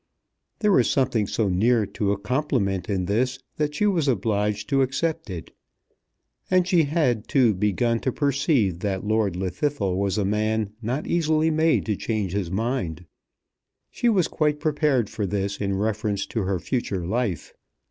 There was something so near to a compliment in this, that she was obliged to accept it. And she had, too, begun to perceive that Lord Llwddythlw was a man not easily made to change his mind. She was quite prepared for this in reference to her future life.